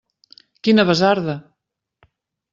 Quina basarda!